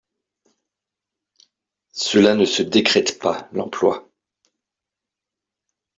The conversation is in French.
Cela ne se décrète pas, l’emploi